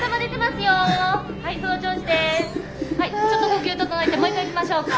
ちょっと呼吸整えてもう一回いきましょうか。